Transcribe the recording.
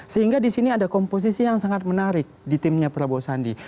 sehingga di sini ada komposisi yang sangat menarik di timnya prabowo sandi